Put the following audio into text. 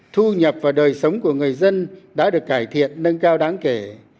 thu nhập và đời sống của người dân đã được cải thiện nâng cao đáng kể